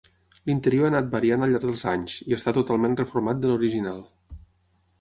L’interior ha anat variant al llarg dels anys i està totalment reformat de l’original.